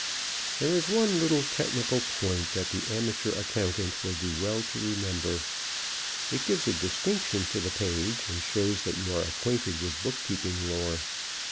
There is one little technical point that the amateur accountant will do well to remember. It gives a distinction to the page and shows that you are acquainted with bookkeeping lore.